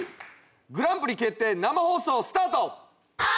グランプリ決定生放送スタート